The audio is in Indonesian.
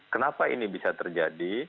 kenapa ini bisa terjadi